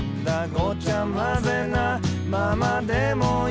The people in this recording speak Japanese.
「ごちゃ混ぜなままでもいいぜ」